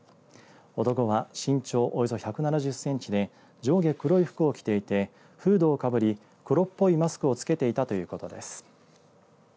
男は、身長およそ１７０センチで上下黒い服を着ていてフードをかぶり黒っぽいマスクをつけていたということです。